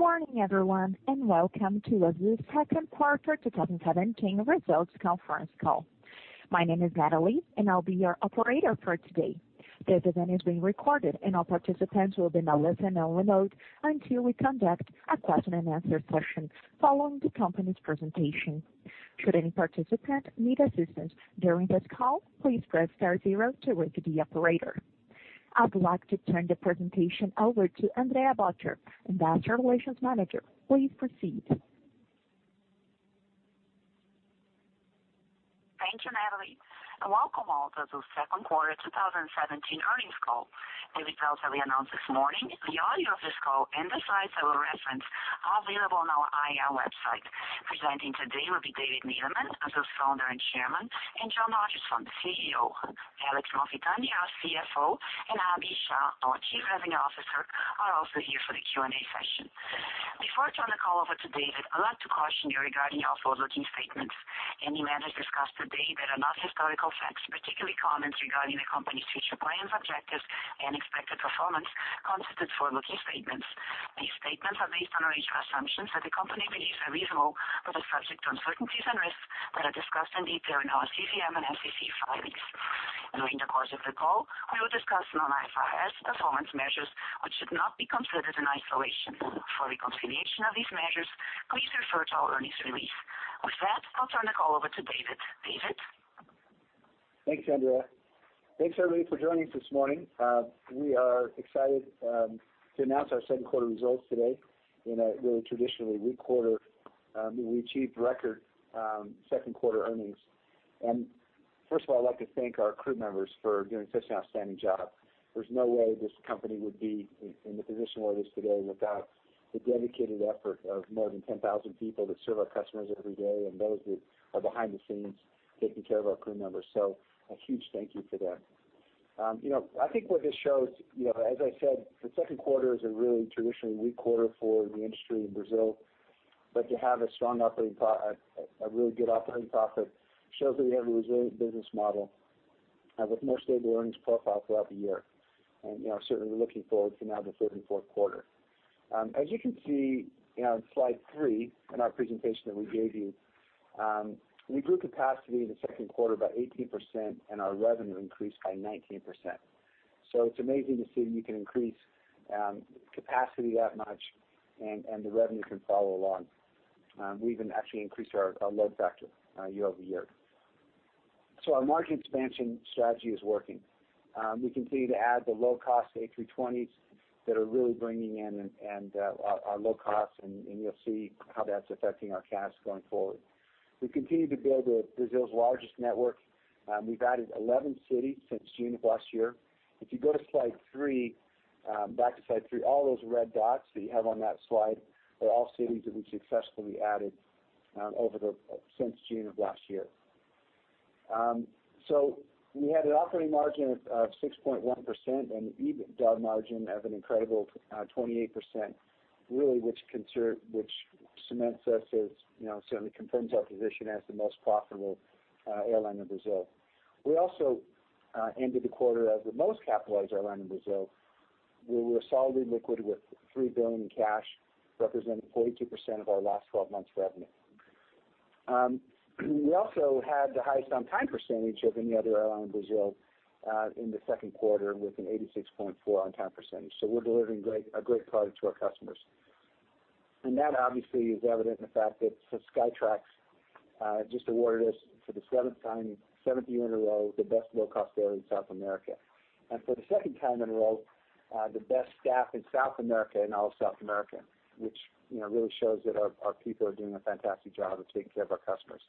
Good morning, everyone. Welcome to Azul's second quarter 2017 results conference call. My name is Natalie. I'll be your operator for today. This event is being recorded. All participants will be in a listen-only mode until we conduct a question and answer session following the company's presentation. Should any participant need assistance during this call, please press star zero to reach the operator. I'd like to turn the presentation over to Andrea Bottcher, Investor Relations Manager. Please proceed. Thank you, Natalie. Welcome all to Azul's second quarter 2017 earnings call. The results that we announced this morning, the audio of this call, and the slides that we'll reference are available on our IR website. Presenting today will be David Neeleman, Azul's Founder and Chairman, and John Rodgerson, the CEO. Alex Malfitani, our CFO, and Abhi Shah, our Chief Revenue Officer, are also here for the Q&A session. Before I turn the call over to David, I'd like to caution you regarding our forward-looking statements. Any matters discussed today that are not historical facts, particularly comments regarding the company's future plans, objectives, and expected performance, constitute forward-looking statements. These statements are based on a range of assumptions that the company believes are reasonable but are subject to uncertainties and risks that are discussed in detail in our SEC filings. During the course of the call, we will discuss non-IFRS performance measures, which should not be considered in isolation. For reconciliation of these measures, please refer to our earnings release. With that, I'll turn the call over to David. David? Thanks, Andrea. Thanks, everybody, for joining us this morning. We are excited to announce our second quarter results today in a really traditionally weak quarter. We achieved record second quarter earnings. First of all, I'd like to thank our crew members for doing such an outstanding job. There's no way this company would be in the position where it is today without the dedicated effort of more than 10,000 people that serve our customers every day and those that are behind the scenes taking care of our crew members. A huge thank you for that. I think what this shows, as I said, the second quarter is a really traditionally weak quarter for the industry in Brazil. To have a really good operating profit shows that we have a resilient business model with more stable earnings profile throughout the year. Certainly looking forward to now the third and fourth quarter. As you can see on slide three in our presentation that we gave you, we grew capacity in the second quarter by 18%, and our revenue increased by 19%. It's amazing to see you can increase capacity that much and the revenue can follow along. We even actually increased our load factor year-over-year. Our market expansion strategy is working. We continue to add the low-cost A320s that are really bringing in our low costs, and you'll see how that's affecting our cash going forward. We continue to build Brazil's largest network. We've added 11 cities since June of last year. If you go back to slide three, all those red dots that you have on that slide are all cities that we've successfully added since June of last year. We had an operating margin of 6.1% and an EBITDA margin of an incredible 28%, really which cements us as, certainly confirms our position as the most profitable airline in Brazil. We also ended the quarter as the most capitalized airline in Brazil, where we're solidly liquid with 3 billion in cash, representing 42% of our last 12 months revenue. We also had the highest on-time percentage of any other airline in Brazil in the second quarter with an 86.4% on-time percentage. We're delivering a great product to our customers. That obviously is evident in the fact that Skytrax just awarded us for the seventh year in a row, the best low-cost airline in South America. For the second time in a row, the best staff in South America, in all of South America, which really shows that our people are doing a fantastic job of taking care of our customers.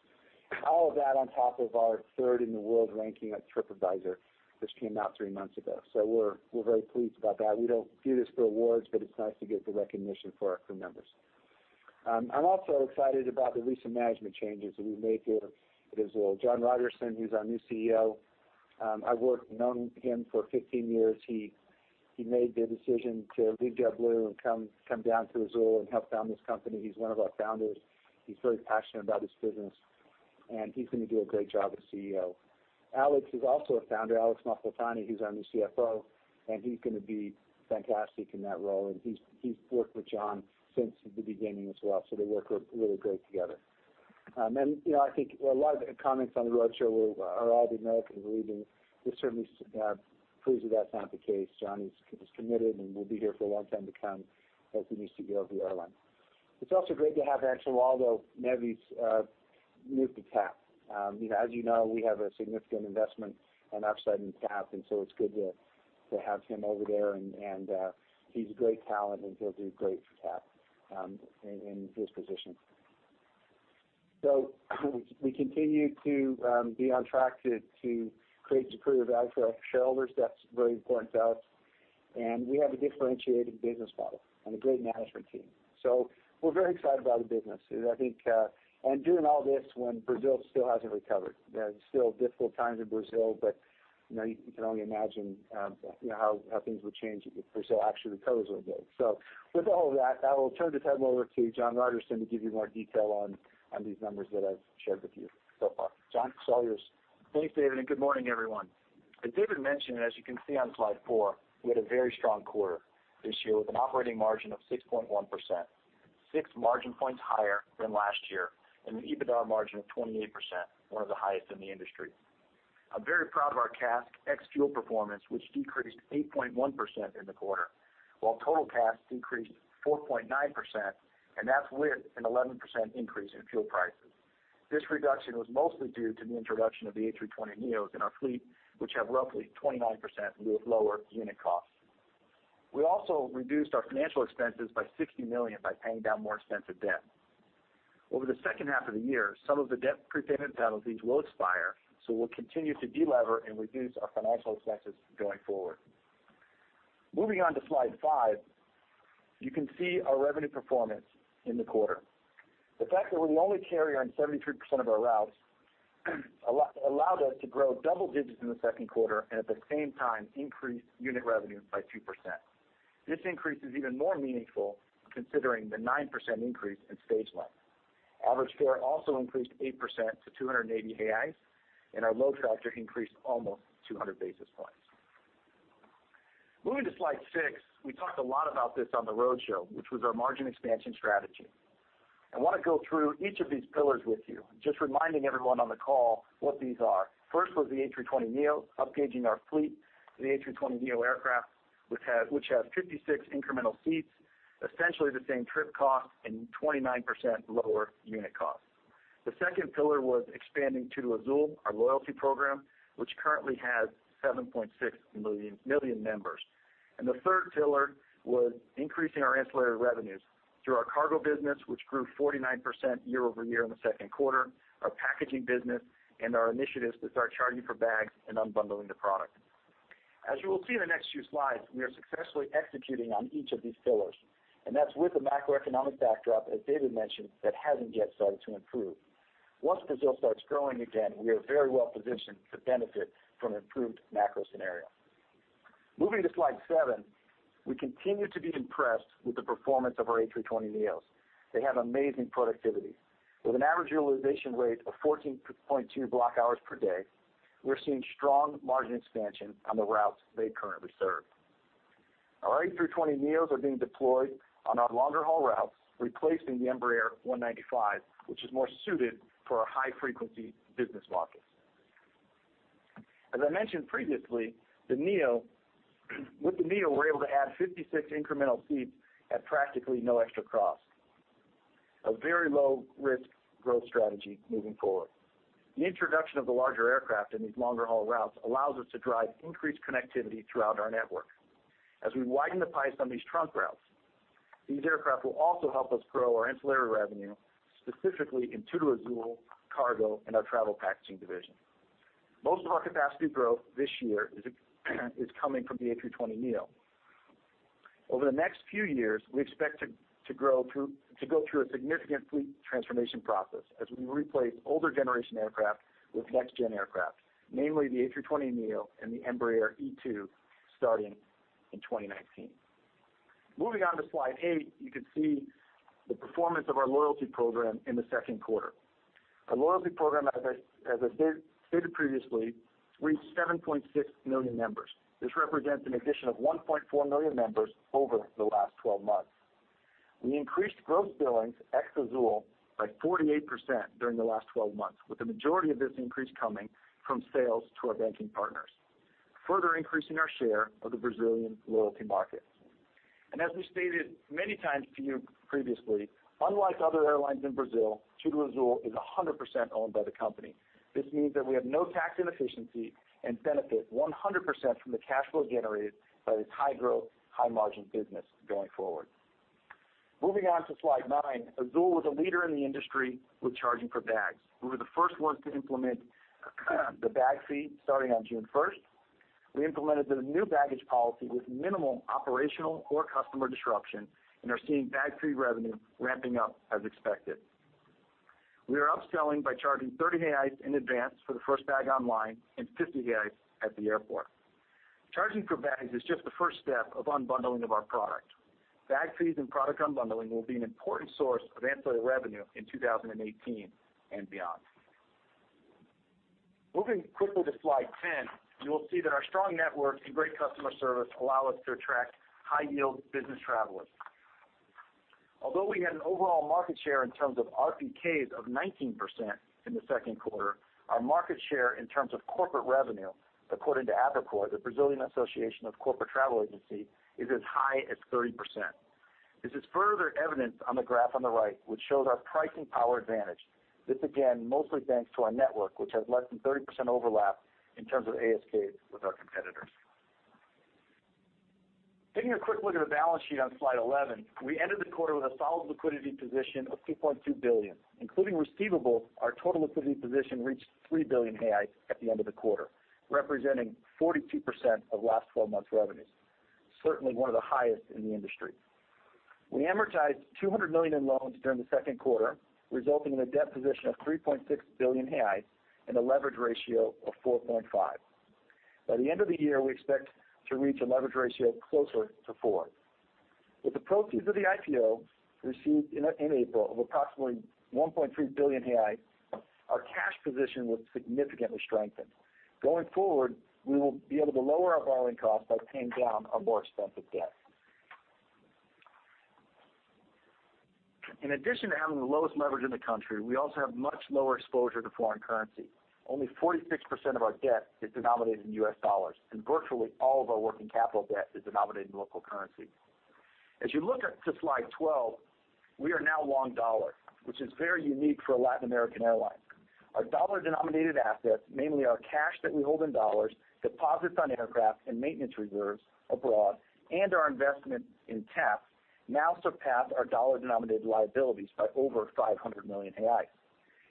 All of that on top of our third in the world ranking at TripAdvisor, which came out three months ago. We're very pleased about that. We don't do this for awards, but it's nice to get the recognition for our crew members. I'm also excited about the recent management changes that we've made here at Azul. John Rodgerson, who's our new CEO, I've known him for 15 years. He made the decision to leave JetBlue and come down to Azul and help found this company. He's one of our founders. He's very passionate about this business, and he's going to do a great job as CEO. Alex, who's also a founder, Alex Malfitani, who's our new CFO, and he's going to be fantastic in that role, and he's worked with John since the beginning as well. They work really great together. I think a lot of the comments on the road show were, "Are all the Americans leaving?" This certainly proves that that's not the case. John is committed and will be here for a long time to come as the new CEO of the airline. It's also great to have Antonoaldo Neves move to TAP. As you know, we have a significant investment and upside in TAP, it's good to have him over there. He's a great talent, and he'll do great for TAP in his position. We continue to be on track to create superior value for our shareholders. That's very important to us. We have a differentiated business model and a great management team. We're very excited about the business. Doing all this when Brazil still hasn't recovered. There are still difficult times in Brazil, you can only imagine how things would change if Brazil actually recovers one day. With all of that, I will turn the time over to John Rodgerson to give you more detail on these numbers that I've shared with you so far. John, it's all yours. Thanks, David. Good morning, everyone. As David mentioned, as you can see on slide four, we had a very strong quarter this year with an operating margin of 6.1%, six margin points higher than last year, and an EBITDA margin of 28%, one of the highest in the industry. I'm very proud of our CASK ex fuel performance, which decreased 8.1% in the quarter, while total CASK decreased 4.9%, and that's with an 11% increase in fuel prices. This reduction was mostly due to the introduction of the A320neos in our fleet, which have roughly 29% lower unit costs. We also reduced our financial expenses by 60 million by paying down more expensive debt. Over the second half of the year, some of the debt prepayment penalties will expire. We'll continue to de-lever and reduce our financial expenses going forward. Moving on to slide five, you can see our revenue performance in the quarter. The fact that we're the only carrier on 73% of our routes allowed us to grow double digits in the second quarter, and at the same time increase unit revenue by 2%. This increase is even more meaningful considering the 9% increase in stage length. Average fare also increased 8% to 280, and our load factor increased almost 200 basis points. Moving to slide six, we talked a lot about this on the roadshow, which was our margin expansion strategy. I want to go through each of these pillars with you, just reminding everyone on the call what these are. First was the A320neo, upgauging our fleet to the A320neo aircraft, which has 56 incremental seats, essentially the same trip cost and 29% lower unit cost. The second pillar was expanding TudoAzul, our loyalty program, which currently has 7.6 million members. The third pillar was increasing our ancillary revenues through our cargo business, which grew 49% year-over-year in the second quarter, our packaging business, and our initiatives to start charging for bags and unbundling the product. You will see in the next few slides, we are successfully executing on each of these pillars, and that's with the macroeconomic backdrop, as David mentioned, that hasn't yet started to improve. Once Brazil starts growing again, we are very well positioned to benefit from an improved macro scenario. Moving to slide seven, we continue to be impressed with the performance of our A320neos. They have amazing productivity. With an average utilization rate of 14.2 block hours per day, we're seeing strong margin expansion on the routes they currently serve. Our A320neos are being deployed on our longer haul routes, replacing the Embraer E195, which is more suited for our high-frequency business markets. As I mentioned previously, with the A320neo, we're able to add 56 incremental seats at practically no extra cost. A very low-risk growth strategy moving forward. The introduction of the larger aircraft in these longer haul routes allows us to drive increased connectivity throughout our network. As we widen the pipes on these trunk routes, these aircraft will also help us grow our ancillary revenue, specifically in TudoAzul, cargo, and our travel packaging division. Most of our capacity growth this year is coming from the A320neo. Over the next few years, we expect to go through a significant fleet transformation process as we replace older generation aircraft with next-gen aircraft, namely the A320neo and the Embraer E2 starting in 2019. Moving on to slide eight, you can see the performance of our loyalty program in the second quarter. Our loyalty program, as I stated previously, reached 7.6 million members. This represents an addition of 1.4 million members over the last 12 months. We increased gross billings ex Azul by 48% during the last 12 months, with the majority of this increase coming from sales to our banking partners, further increasing our share of the Brazilian loyalty market. As we stated many times to you previously, unlike other airlines in Brazil, TudoAzul is 100% owned by the company. This means that we have no tax inefficiency and benefit 100% from the cash flow generated by this high growth, high margin business going forward. Moving on to slide nine, Azul was a leader in the industry with charging for bags. We were the first ones to implement the bag fee starting on June 1st. We implemented the new baggage policy with minimal operational or customer disruption and are seeing bag fee revenue ramping up as expected. We are upselling by charging 30 in advance for the first bag online and 50 at the airport. Charging for bags is just the first step of unbundling of our product. Bag fees and product unbundling will be an important source of ancillary revenue in 2018 and beyond. Moving quickly to slide 10, you will see that our strong network and great customer service allow us to attract high-yield business travelers. Although we had an overall market share in terms of RPKs of 19% in the second quarter, our market share in terms of corporate revenue, according to Abracorp, the Brazilian Association of Corporate Travel Agencies, is as high as 30%. This is further evidenced on the graph on the right, which shows our pricing power advantage. This, again, mostly thanks to our network, which has less than 30% overlap in terms of ASKs with our competitors. Taking a quick look at our balance sheet on slide 11, we ended the quarter with a solid liquidity position of 2.2 billion. Including receivables, our total liquidity position reached 3 billion at the end of the quarter, representing 42% of last 12 months revenues. Certainly one of the highest in the industry. We amortized 200 million in loans during the second quarter, resulting in a debt position of 3.6 billion and a leverage ratio of 4.5. By the end of the year, we expect to reach a leverage ratio closer to four. With the proceeds of the IPO received in April of approximately 1.3 billion reais, our cash position was significantly strengthened. Going forward, we will be able to lower our borrowing costs by paying down our more expensive debt. In addition to having the lowest leverage in the country, we also have much lower exposure to foreign currency. Only 46% of our debt is denominated in U.S. dollars, and virtually all of our working capital debt is denominated in local currency. As you look to slide 12, we are now long dollar, which is very unique for a Latin American airline. Our dollar-denominated assets, namely our cash that we hold in dollars, deposits on aircraft, and maintenance reserves abroad, and our investment in TAP, now surpass our dollar-denominated liabilities by over 500 million reais.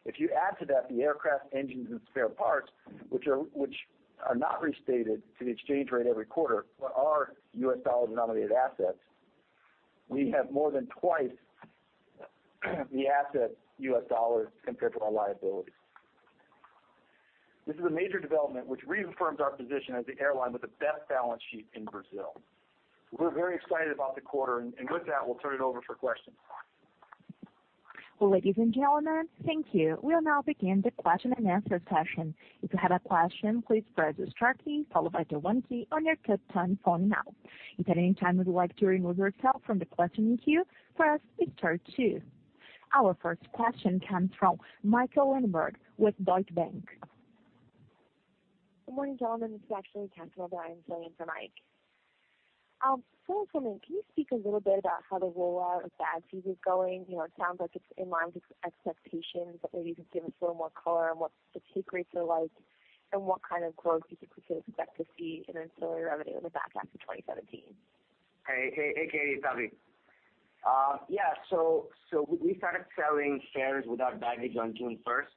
If you add to that the aircraft engines and spare parts, which are not restated to the exchange rate every quarter but are U.S. dollar-denominated assets, we have more than twice the asset U.S. dollar compared to our liability. This is a major development which reaffirms our position as the airline with the best balance sheet in Brazil. We're very excited about the quarter. With that, we'll turn it over for questions. Ladies and gentlemen, thank you. We'll now begin the question-and-answer session. If you have a question, please press the star key followed by the one key on your telephone now. If at any time you would like to remove yourself from the questioning queue, press star two. Our first question comes from Michael O'Reilly with Deutsche Bank. Good morning, gentlemen. This is actually Catherine Bryan filling in for Mike. First, for me, can you speak a little bit about how the rollout of bag fees is going? It sounds like it's in line with expectations, but maybe you can give us a little more color on what the take rates are like and what kind of growth you think we can expect to see in ancillary revenue in the back half of 2017. Okay. Hey, Kate its Abhi. We started selling fares without baggage on June 1st,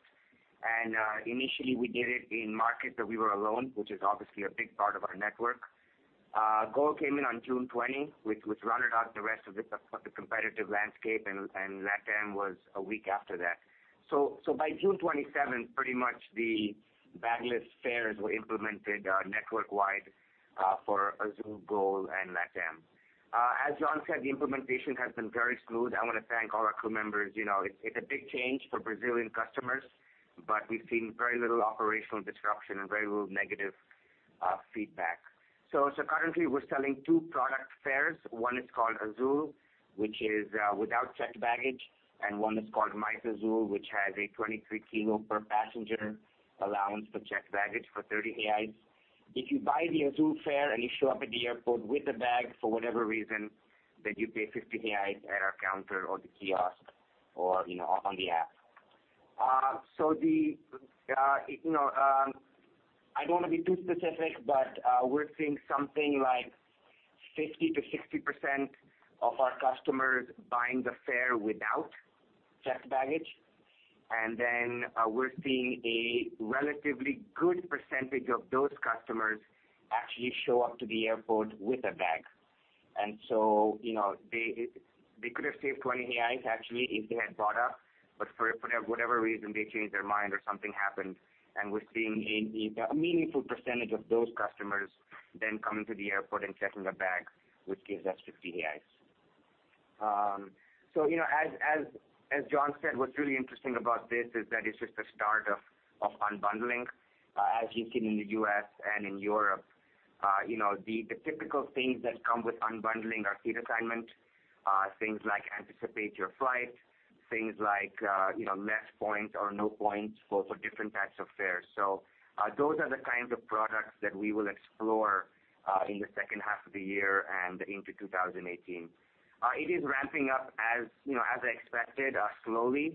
and initially, we did it in markets that we were alone, which is obviously a big part of our network. Gol came in on June 20, which rounded out the rest of the competitive landscape. LATAM was a week after that. By June 27, pretty much the bag-less fares were implemented network-wide for Azul, Gol, and LATAM. As John said, the implementation has been very smooth. I want to thank all our crew members. It's a big change for Brazilian customers, but we've seen very little operational disruption and very little negative feedback. Currently, we're selling two product fares. One is called Azul, which is without checked baggage, and one is called Mais Azul, which has a 23-kilo per passenger allowance for checked baggage for 30 reais. If you buy the Azul fare and you show up at the airport with a bag, for whatever reason, you pay 50 reais at our counter or the kiosk or on the app. I don't want to be too specific, but we're seeing something like 50%-60% of our customers buying the fare without checked baggage. We're seeing a relatively good percentage of those customers actually show up to the airport with a bag. They could have saved 20 reais, actually, if they had bought it, but for whatever reason, they changed their mind or something happened. We're seeing a meaningful percentage of those customers then coming to the airport and checking a bag, which gives us BRL 50. As John said, what's really interesting about this is that it's just the start of unbundling, as you've seen in the U.S. In Europe. The typical things that come with unbundling are seat assignment, things like anticipate your flight, things like less points or no points for different types of fares. Those are the kinds of products that we will explore in the second half of the year and into 2018. It is ramping up as expected, slowly.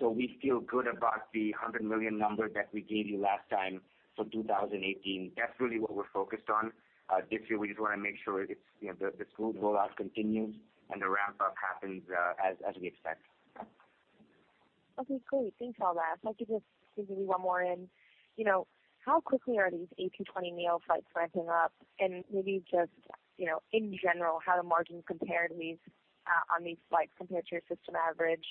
We feel good about the 100 million number that we gave you last time for 2018. That's really what we're focused on. This year, we just want to make sure the smooth rollout continues and the ramp-up happens as we expect. Okay, great. Thanks, Avi. If I could just squeeze maybe one more in. How quickly are these A320neo flights ramping up? Maybe just in general, how do margins compare on these flights compared to your system average?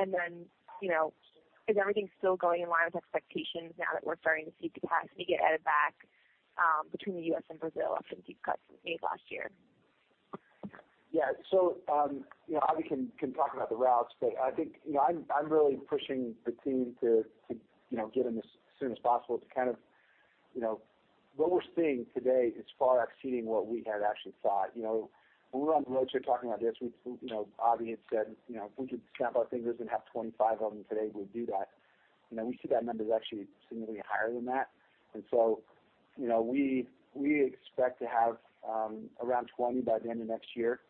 Is everything still going in line with expectations now that we're starting to see capacity get added back between the U.S. and Brazil after the deep cuts made last year? Avi can talk about the routes, but I'm really pushing the team to get them as soon as possible. What we're seeing today is far exceeding what we had actually thought. When we were on the road trip talking about this, Avi had said if we could snap our fingers and have 25 of them today, we'd do that. We see that number is actually significantly higher than that. We expect to have around 20 by the end of next year.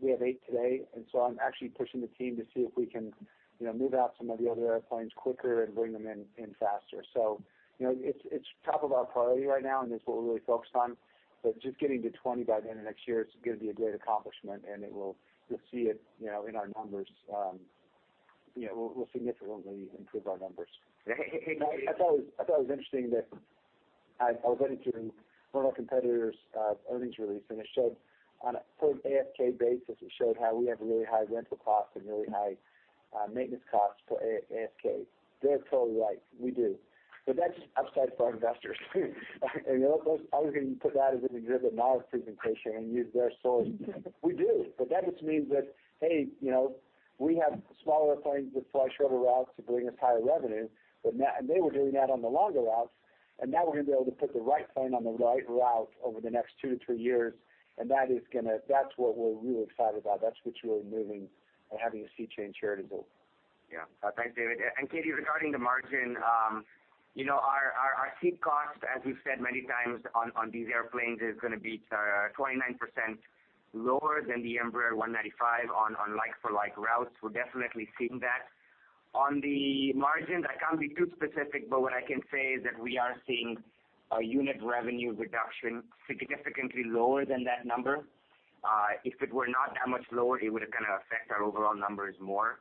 We have eight today, and I'm actually pushing the team to see if we can move out some of the other airplanes quicker and bring them in faster. It's top of our priority right now, and it's what we're really focused on. Just getting to 20 by the end of next year is going to be a great accomplishment, and you'll see it in our numbers. We'll significantly improve our numbers. I thought it was interesting that I was reading through one of our competitor's earnings release, and it showed on a per ASK basis, it showed how we have a really high rental cost and really high maintenance costs for ASK. They're totally right, we do. That's just upside for our investors. I was going to put that as an exhibit in our presentation and use their source. We do. That just means that, hey, we have smaller planes with shorter routes to bring us higher revenue. They were doing that on the longer routes, and now we're going to be able to put the right plane on the right route over the next two to three years, and that's what we're really excited about. That's what's really moving and having a seat change here to do. Yeah. Thanks, David. Katie, regarding the margin, our seat cost, as we've said many times on these airplanes, is going to be 29% lower than the Embraer E195 on like for like routes. We're definitely seeing that. On the margins, I can't be too specific, but what I can say is that we are seeing a unit revenue reduction significantly lower than that number. If it were not that much lower, it would have kind of affect our overall numbers more.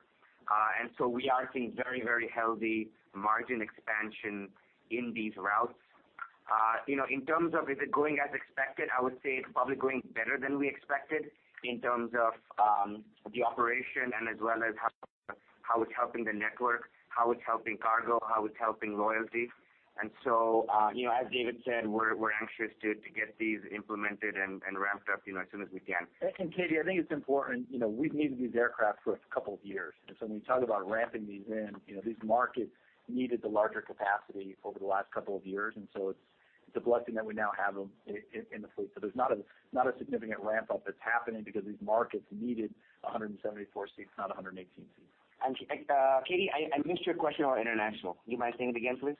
We are seeing very, very healthy margin expansion in these routes. In terms of is it going as expected, I would say it's probably going better than we expected in terms of the operation and as well as how it's helping the network, how it's helping cargo, how it's helping loyalty. As David Neeleman said, we're anxious to get these implemented and ramped up as soon as we can. Katie, I think it's important, we've needed these aircraft for a couple of years. When you talk about ramping these in, these markets needed the larger capacity over the last couple of years, it's a blessing that we now have them in the fleet. There's not a significant ramp-up that's happening because these markets needed 174 seats, not 118 seats. Katie, I missed your question on international. Do you mind saying it again, please?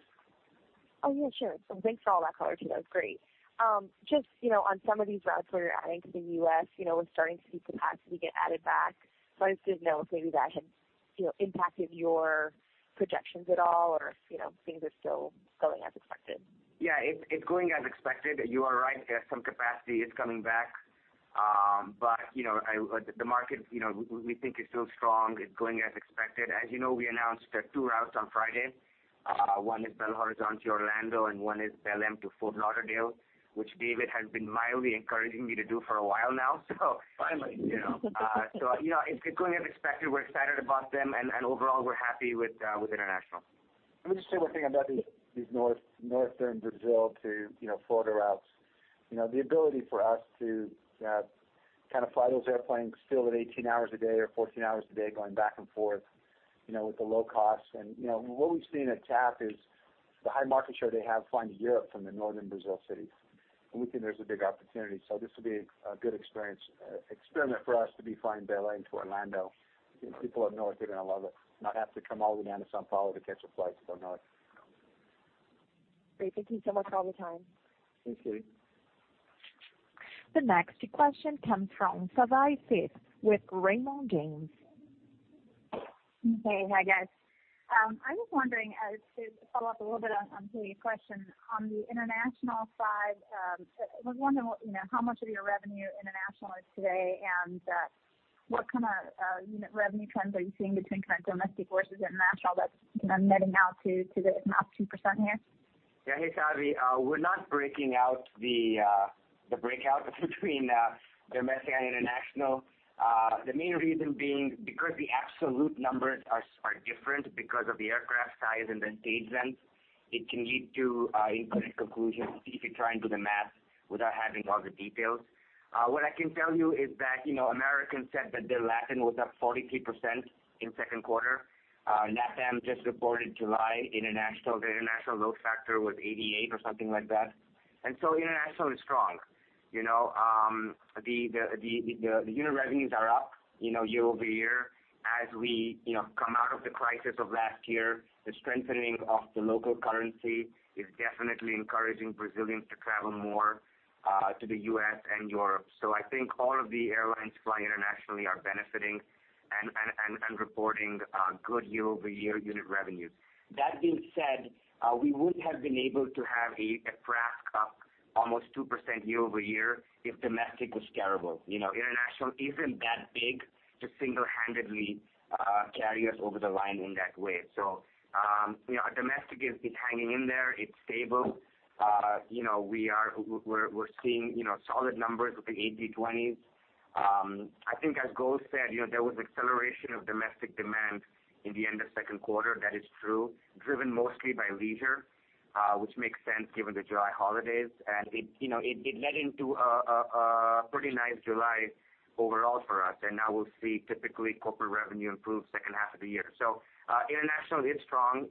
Oh, yeah, sure. Thanks for all that color, too. That was great. Just on some of these routes where you're adding to the U.S., we're starting to see capacity get added back. I just didn't know if maybe that had impacted your projections at all or if things are still going as expected. It's going as expected. You are right that some capacity is coming back. The market we think is still strong. It's going as expected. As you know, we announced two routes on Friday. One is Belo Horizonte, Orlando, and one is Belém to Fort Lauderdale, which David has been mildly encouraging me to do for a while now. Finally. It's going as expected. We're excited about them, and overall, we're happy with international. Let me just say one thing about these Northern Brazil to Florida routes. The ability for us to kind of fly those airplanes still at 18 hours a day or 14 hours a day, going back and forth with the low cost. What we've seen at TAP is the high market share they have flying to Europe from the Northern Brazil cities. We think there's a big opportunity. This will be a good experiment for us to be flying Belém to Orlando. People up north are going to love it, not have to come all the way down to São Paulo to catch a flight to the north. Great. Thank you so much for all the time. Thanks, Katie. The next question comes from Savanthi Syth with Raymond James. Okay. Hi, guys. I was wondering, to follow up a little bit on Katie's question, on the international side, I was wondering how much of your revenue international is today, and what kind of unit revenue trends are you seeing between kind of domestic versus international that's netting out to the up 2% here? Yeah. Hey, Savi. We're not breaking out the breakout between domestic and international. The main reason being because the absolute numbers are different because of the aircraft size and the stage length, it can lead to incorrect conclusions if you try and do the math without having all the details. What I can tell you is that American said that their Latin was up 43% in second quarter. LATAM just reported July. The international load factor was 88 or something like that. International is strong. The unit revenues are up year-over-year. As we come out of the crisis of last year, the strengthening of the local currency is definitely encouraging Brazilians to travel more to the U.S. and Europe. I think all of the airlines flying internationally are benefiting and reporting good year-over-year unit revenue. That being said, we wouldn't have been able to have a [CASK] up almost 2% year-over-year if domestic was terrible. International isn't that big to single-handedly carry us over the line in that way. Our domestic has been hanging in there. It's stable. We're seeing solid numbers with the A320s. I think as Gol said, there was acceleration of domestic demand in the end of second quarter, that is true, driven mostly by leisure, which makes sense given the July holidays, and it led into a pretty nice July overall for us. Now we'll see typically corporate revenue improve second half of the year. International is strong.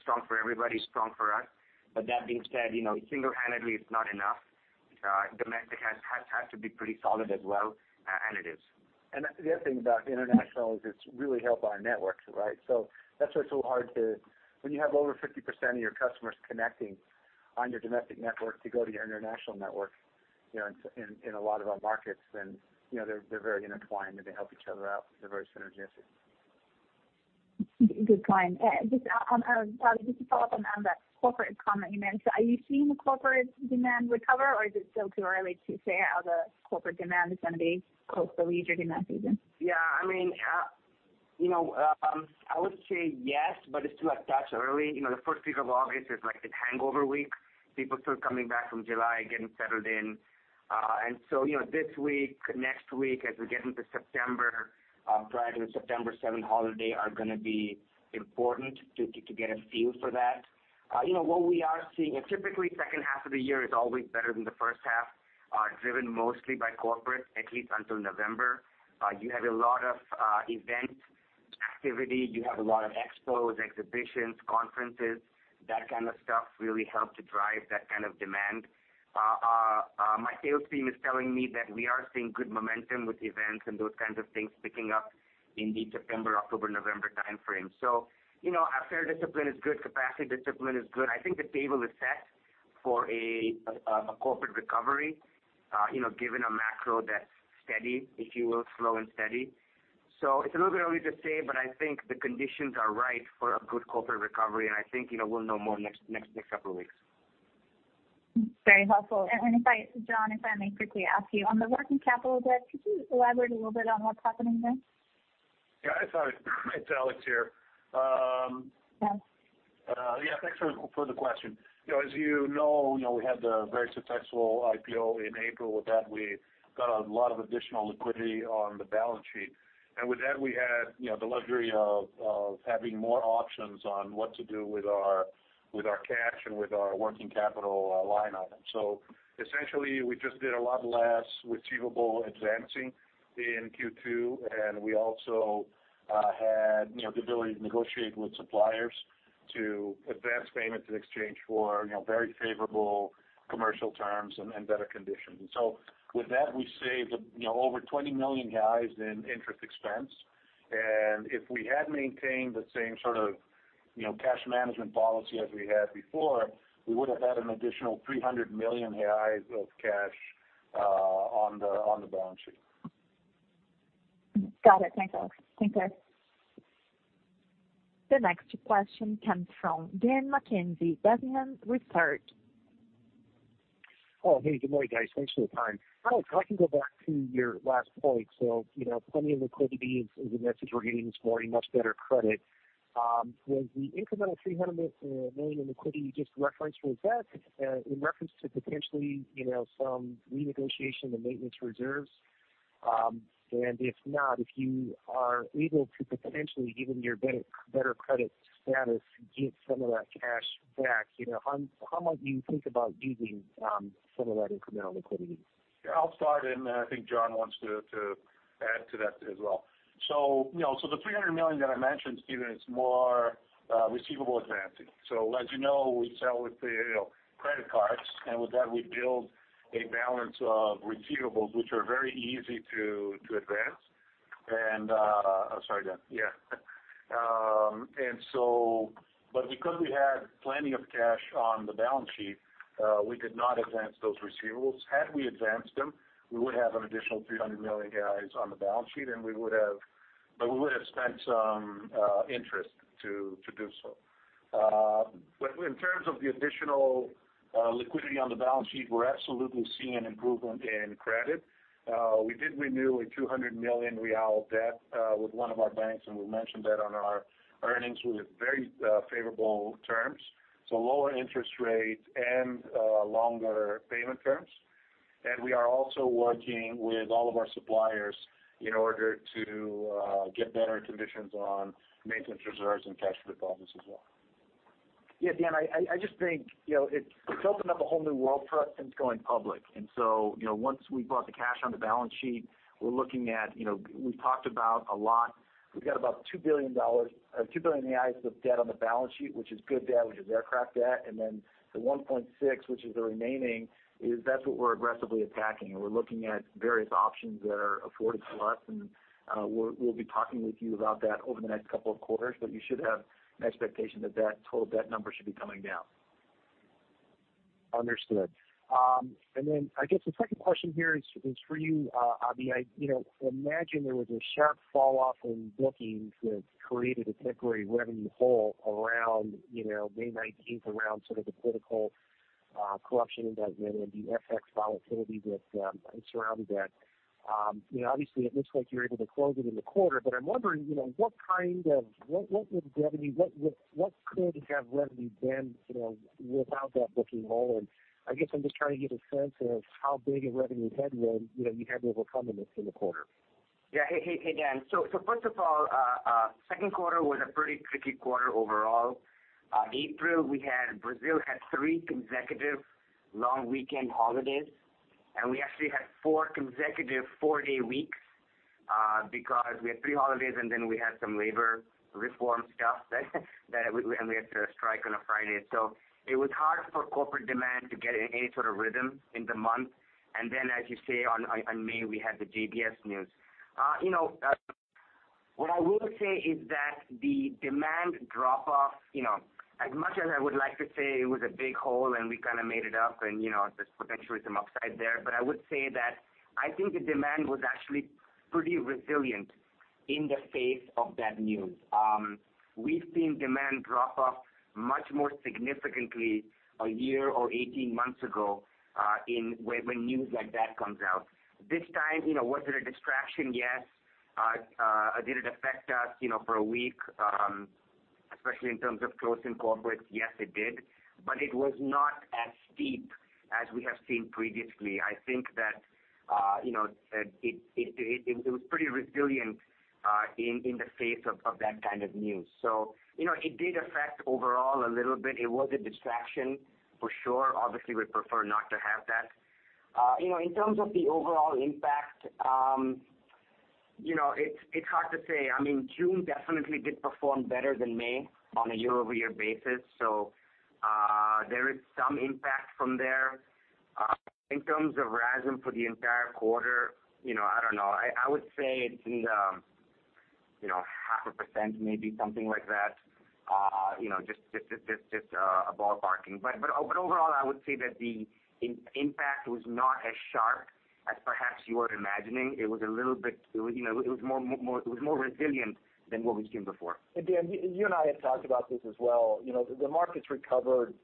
Strong for everybody, strong for us. That being said, single-handedly, it's not enough. Domestic has had to be pretty solid as well, and it is. The other thing about international is it's really helped by networks, right? That's why it's so hard when you have over 50% of your customers connecting on your domestic network to go to your international network in a lot of our markets then they're very intertwined, and they help each other out. They're very synergistic. Good point. Just on Abhi, just to follow up on that corporate comment you made. Are you seeing the corporate demand recover, or is it still too early to say how the corporate demand is going to be post the leisure demand season? I would say yes, but it's too attached early. The first week of August is like a hangover week. People still coming back from July, getting settled in. This week, next week, as we get into September, prior to the September 7th holiday, are going to be important to get a feel for that. What we are seeing, and typically second half of the year is always better than the first half, are driven mostly by corporate, at least until November. You have a lot of event activity. You have a lot of expos, exhibitions, conferences, that kind of stuff really help to drive that kind of demand. My sales team is telling me that we are seeing good momentum with events and those kinds of things picking up in the September, October, November timeframe. Our fare discipline is good, capacity discipline is good. I think the table is set for a corporate recovery, given a macro that's steady, if you will, slow and steady. It's a little bit early to say, but I think the conditions are right for a good corporate recovery. I think we'll know more next couple of weeks. Very helpful. John, if I may quickly ask you, on the working capital debt, could you elaborate a little bit on what's happening there? Sorry. It's Alex here. Yes. Thanks for the question. As you know, we had the very successful IPO in April. With that, we got a lot of additional liquidity on the balance sheet. With that, we had the luxury of having more options on what to do with our cash and with our working capital line item. Essentially, we just did a lot less receivable advancing in Q2, and we also had the ability to negotiate with suppliers to advance payments in exchange for very favorable commercial terms and better conditions. With that, we saved over 20 million in interest expense. If we had maintained the same sort of cash management policy as we had before, we would've had an additional 300 million reais of cash on the balance sheet. Got it. Thanks, Alex. Thanks, guys. The next question comes from Daniel McKenzie, BMO Capital Markets. Oh, hey. Good morning, guys. Thanks for the time. Alex, if I can go back to your last point. Plenty of liquidity is the message we're getting this morning, much better credit. Was the incremental 300 million in liquidity you just referenced, was that in reference to potentially some renegotiation in the maintenance reserves? If not, if you are able to potentially, given your better credit status, give some of that cash back, how might you think about using some of that incremental liquidity? Yeah, I'll start and I think John wants to add to that as well. The 300 million that I mentioned, Stephen, is more receivable advancing. As you know, we sell with credit cards, and with that, we build a balance of receivables, which are very easy to advance. Oh, sorry, Dan. Yeah. Because we had plenty of cash on the balance sheet, we could not advance those receivables. Had we advanced them, we would have an additional 300 million on the balance sheet, but we would've spent some interest to do so. In terms of the additional liquidity on the balance sheet, we're absolutely seeing an improvement in credit. We did renew a 200 million real debt with one of our banks, and we mentioned that on our earnings with very favorable terms. Lower interest rate and longer payment terms. We are also working with all of our suppliers in order to get better conditions on maintenance reserves and cash performances as well. Yeah, Dan, I just think it's opened up a whole new world for us since going public. once we brought the cash on the balance sheet, we've talked about a lot, we've got about BRL 2 billion of debt on the balance sheet, which is good debt, which is aircraft debt. The 1.6 billion, which is the remaining, is that's what we're aggressively attacking, and we're looking at various options that are afforded to us, and we'll be talking with you about that over the next couple of quarters. You should have an expectation that that total debt number should be coming down. Understood. I guess the second question here is for you, Abhi. I imagine there was a sharp fall off in bookings that created a temporary revenue hole around May 19th, around sort of the political corruption indictment and the FX volatility that surrounded that. Obviously it looks like you're able to close it in the quarter, but I'm wondering, what could have revenue been without that booking hole in? I guess I'm just trying to get a sense of how big a revenue headwind you had to overcome in this in the quarter. Yeah. Hey, Dan. First of all, second quarter was a pretty tricky quarter overall. April, Brazil had three consecutive long weekend holidays, we actually had four consecutive four-day weeks, because we had three holidays, then we had some labor reform stuff and we had to strike on a Friday. It was hard for corporate demand to get in any sort of rhythm in the month. Then, as you say, on May, we had the JBS news. What I will say is that the demand drop off, as much as I would like to say it was a big hole and we kind of made it up and there's potentially some upside there, but I would say that I think the demand was actually pretty resilient in the face of bad news. We've seen demand drop off much more significantly a year or 18 months ago, when news like that comes out. This time, was it a distraction? Yes. Did it affect us for a week, especially in terms of closing corporates? Yes, it did. It was not as steep as we have seen previously. I think that it was pretty resilient in the face of that kind of news. It did affect overall a little bit. It was a distraction for sure. Obviously, we'd prefer not to have that. In terms of the overall impact, it's hard to say. June definitely did perform better than May on a year-over-year basis. There is some impact from there. In terms of RASM for the entire quarter, I don't know. I would say it's in 0.5%, maybe something like that. Just a ballparking. Overall, I would say that the impact was not as sharp as perhaps you were imagining. It was more resilient than what we've seen before. Dan, you and I have talked about this as well. The market's recovered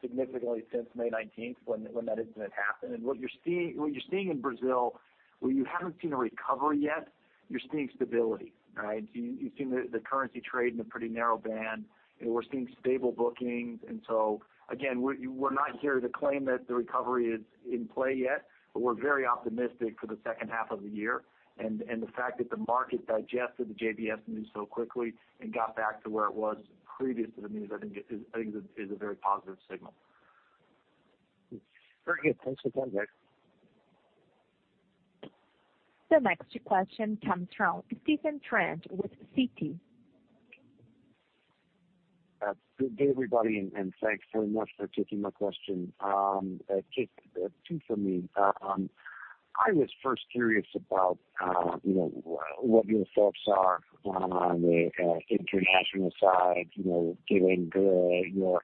significantly since May 19th when that incident happened. What you're seeing in Brazil, where you haven't seen a recovery yet, you're seeing stability. Right? You've seen the currency trade in a pretty narrow band. We're seeing stable bookings. Again, we're not here to claim that the recovery is in play yet, but we're very optimistic for the second half of the year. The fact that the market digested the JBS news so quickly and got back to where it was previous to the news, I think is a very positive signal. Very good. Thanks for that, guys. The next question comes from Stephen Trent with Citi. Good day, everybody, and thanks very much for taking my question. Just two from me. I was first curious about what your thoughts are on the international side. You are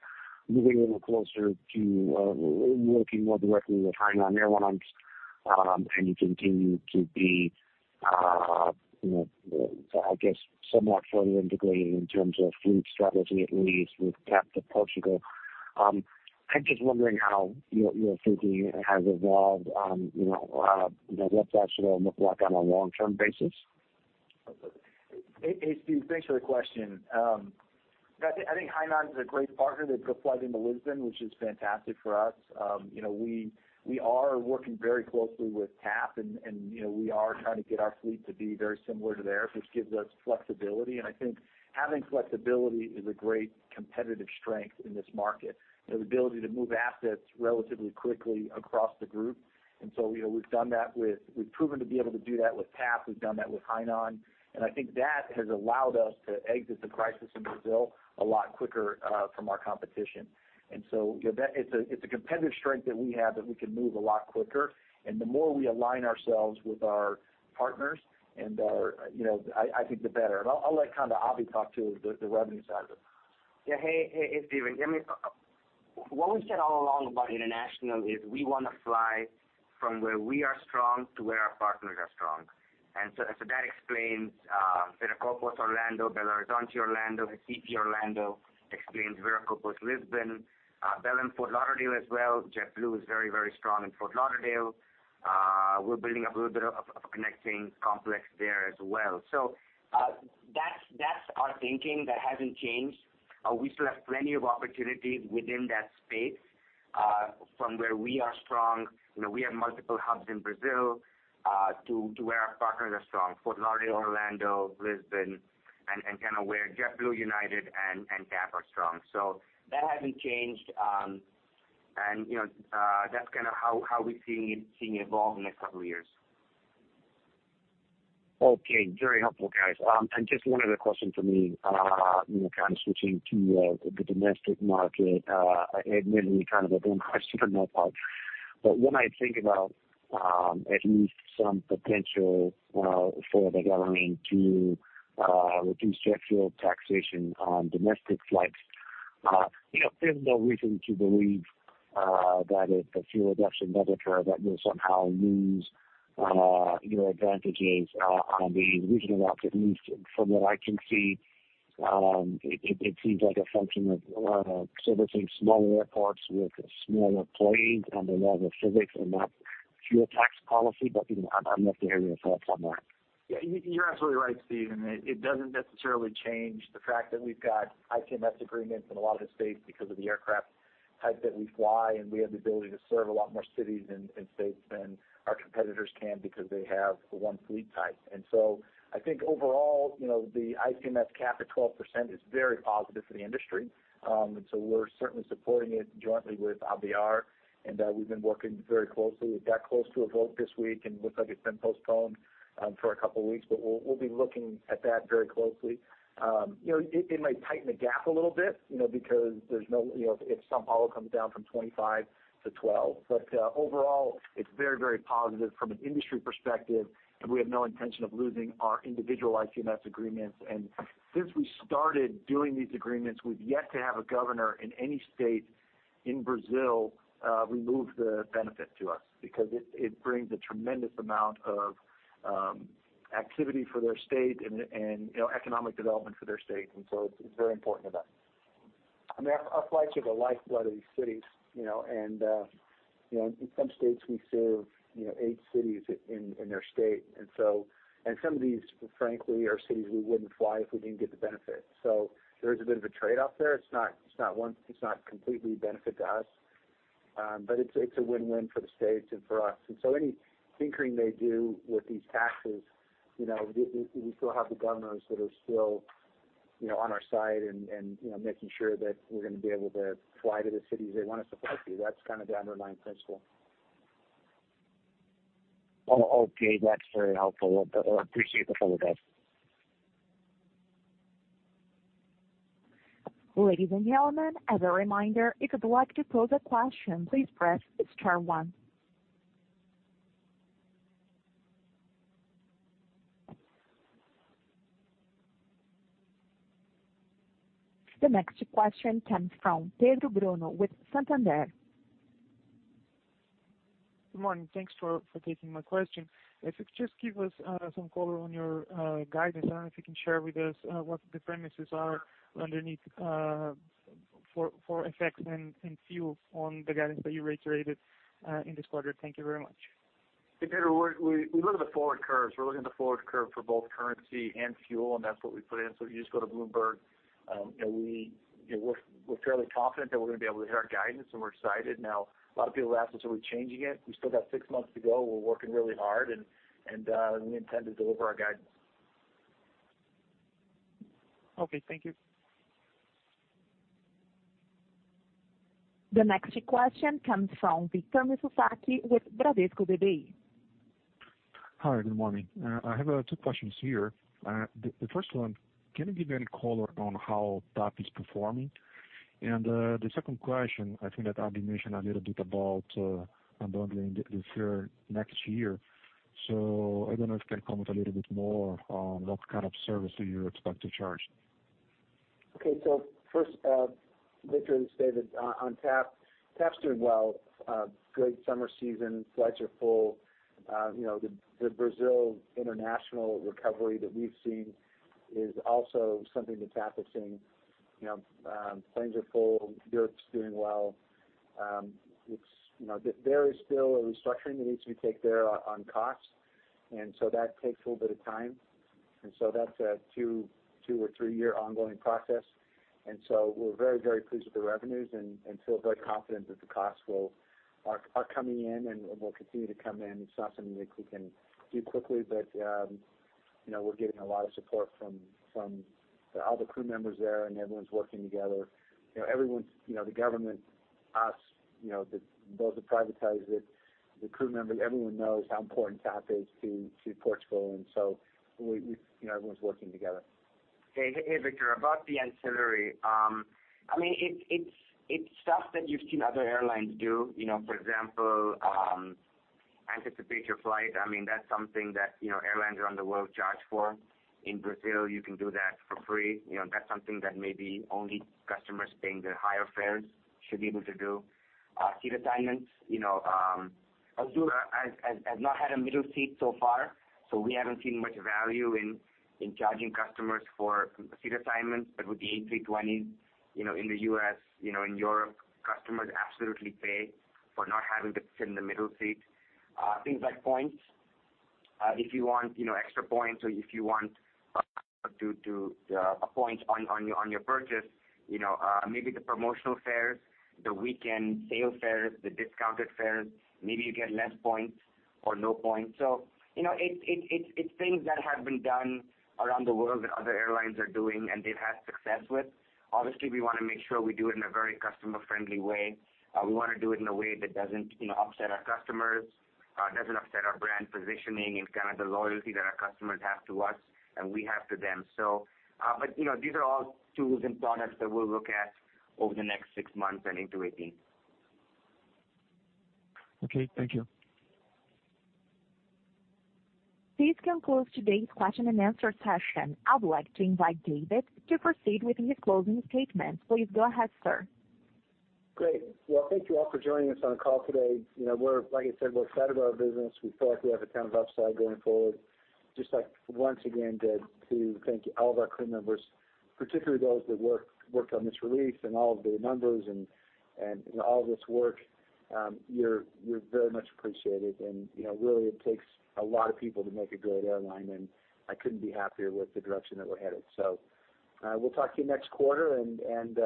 moving a little closer to working more directly with Hainan Airlines, and you continue to be, I guess, somewhat further integrated in terms of fleet strategy, at least with TAP Air Portugal. I'm just wondering how your thinking has evolved on what that should all look like on a long-term basis. Hey, Steve, thanks for the question. I think Hainan is a great partner. They put a plug into Lisbon, which is fantastic for us. We are working very closely with TAP, and we are trying to get our fleet to be very similar to theirs, which gives us flexibility. I think having flexibility is a great competitive strength in this market, the ability to move assets relatively quickly across the group. We've proven to be able to do that with TAP. We've done that with Hainan, and I think that has allowed us to exit the crisis in Brazil a lot quicker from our competition. It's a competitive strength that we have that we can move a lot quicker, and the more we align ourselves with our partners I think the better. I'll let Abhi talk to the revenue side of it. Yeah. Hey, Steven. What we said all along about international is we want to fly from where we are strong to where our partners are strong. That explains Viracopos-Orlando, Belo Horizonte-Orlando, SSP-Orlando, explains Viracopos-Lisbon. Belém and Fort Lauderdale as well. JetBlue is very strong in Fort Lauderdale. We're building up a little bit of a connecting complex there as well. That's our thinking. That hasn't changed. We still have plenty of opportunities within that space from where we are strong. We have multiple hubs in Brazil to where our partners are strong, Fort Lauderdale, Orlando, Lisbon, and kind of where JetBlue, United, and TAP are strong. That hasn't changed, and that's kind of how we're seeing it evolve in the next couple of years. Okay. Very helpful, guys. Just one other question for me, kind of switching to the domestic market. Admittedly, kind of a dumb question on my part, but when I think about at least some potential for the government to reduce jet fuel taxation on domestic flights, there's no reason to believe that a fuel reduction measure that will somehow lose your advantages on the regional market, at least from what I can see. It seems like a function of servicing smaller airports with smaller planes under the laws of physics and not fuel tax policy. I'd love to hear your thoughts on that. Yeah, you're absolutely right, Stephen. It doesn't necessarily change the fact that we've got ICMS agreements in a lot of the states because of the aircraft type that we fly, and we have the ability to serve a lot more cities and states than our competitors can because they have the one fleet type. I think overall, the ICMS cap at 12% is very positive for the industry. We're certainly supporting it jointly with ABEAR, and we've been working very closely. It got close to a vote this week, looks like it's been postponed for a couple of weeks, but we'll be looking at that very closely. It might tighten the gap a little bit because if São Paulo comes down from 25 to 12. Overall, it's very positive from an industry perspective, and we have no intention of losing our individual ICMS agreements. Since we started doing these agreements, we've yet to have a governor in any state in Brazil remove the benefit to us because it brings a tremendous amount of activity for their state and economic development for their state. It's very important to us. Our flights are the lifeblood of these cities. In some states we serve eight cities in their state. Some of these, frankly, are cities we wouldn't fly if we didn't get the benefit. There is a bit of a trade-off there. It's not completely a benefit to us. It's a win-win for the states and for us. Any tinkering they do with these taxes, we still have the governors that are still on our side and making sure that we're going to be able to fly to the cities they want us to fly to. That's kind of the underlying principle. Okay. That's very helpful. I appreciate the color, [Dave]. Ladies and gentlemen, as a reminder, if you'd like to pose a question, please press star one. The next question comes from Pedro Bruno with Santander. Good morning. Thanks for taking my question. If you could just give us some color on your guidance. I don't know if you can share with us what the premises are underneath for FX and fuel on the guidance that you reiterated in this quarter. Thank you very much. Hey, Pedro. We look at the forward curves. We're looking at the forward curve for both currency and fuel. That's what we put in. If you just go to Bloomberg, we're fairly confident that we're going to be able to hit our guidance. We're excited. A lot of people ask us, are we changing it? We still got six months to go. We're working really hard. We intend to deliver our guidance. Okay, thank you. The next question comes from Victor Mizusaki with Bradesco BBI. Hi, good morning. I have two questions here. The first one, can you give any color on how TAP is performing? The second question, I think that Abhi mentioned a little bit about unbundling this year, next year. I don't know if you can comment a little bit more on what kind of service do you expect to charge? Okay. First Victor, this is David. On TAP's doing well. Good summer season. Flights are full. The Brazil international recovery that we've seen is also something that TAP is seeing. Planes are full. Europe's doing well. There is still a restructuring that needs to be taken there on costs. That takes a little bit of time. That's a two or three-year ongoing process. We're very, very pleased with the revenues and feel very confident that the costs are coming in and will continue to come in. It's not something that we can do quickly, but we're getting a lot of support from all the crew members there, and everyone's working together. The government, us, those that privatized it, the crew members, everyone knows how important TAP is to Portugal, and so everyone's working together. Hey, Victor. About the ancillary, it's stuff that you've seen other airlines do. For example, anticipate your flight. That's something that airlines around the world charge for. In Brazil, you can do that for free. That's something that maybe only customers paying the higher fares should be able to do. Seat assignments. Azul has not had a middle seat so far, so we haven't seen much value in charging customers for seat assignments, but with the A320 in the U.S., in Europe, customers absolutely pay for not having to sit in the middle seat. Things like points. If you want extra points or if you want points on your purchase, maybe the promotional fares, the weekend sale fares, the discounted fares, maybe you get less points or no points. It's things that have been done around the world that other airlines are doing, and they've had success with. Obviously, we want to make sure we do it in a very customer-friendly way. We want to do it in a way that doesn't upset our customers, doesn't upset our brand positioning and kind of the loyalty that our customers have to us and we have to them. These are all tools and products that we'll look at over the next six months and into 2018. Okay, thank you. This concludes today's question and answer session. I'd like to invite David to proceed with his closing statements. Please go ahead, sir. Great. Well, thank you all for joining us on the call today. Like I said, we're excited about our business. We feel like we have a ton of upside going forward. Just like once again, Dave, to thank all of our crew members, particularly those that worked on this release and all of the numbers and all of this work. You're very much appreciated. Really, it takes a lot of people to make a great airline, and I couldn't be happier with the direction that we're headed. We'll talk to you next quarter, and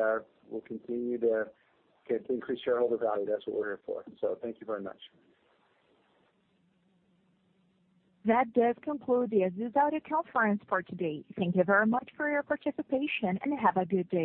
we'll continue to increase shareholder value. That's what we're here for. Thank you very much. That does conclude the Azul audio conference for today. Thank you very much for your participation, and have a good day.